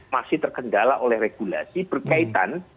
masih terkendala oleh regulasi berkaitan